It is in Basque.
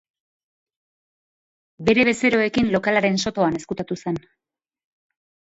Bere bezeroekin lokalaren sotoan ezkutatu zen.